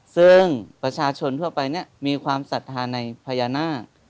ซึ่งประชาชนทั่วไปมีความศรัทธาในพญานาค